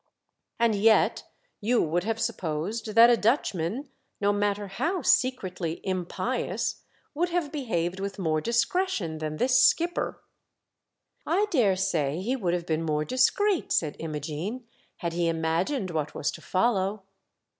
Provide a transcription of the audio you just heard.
And yet you would have supposed that a Dutch THE GALE BREAKS. 199 man, no matter how secretly impious, would have behaved with more discretion than this skipper." " I dare say he would have been more discreet," said Imogene, "had he imagined what was to follow."